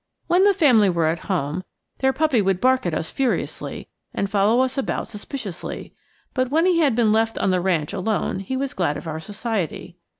When the family were at home, their puppy would bark at us furiously, and follow us about suspiciously, but when he had been left on the ranch alone he was glad of our society.